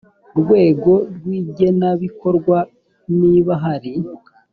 rwego rw igenabikorwa niba hari